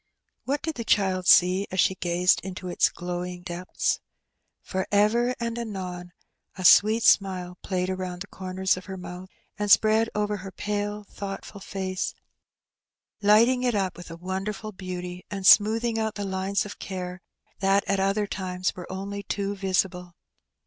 What did the child eee as she gazed into its glowing depths? For ever and anon a sweet smile played aronnd the comers of her month, and spread over her pale thoughtful face, hghting it up with 10 Hee Benny. a wonderful beauty^ and smoothing out the lines of care that at other times were only too visible.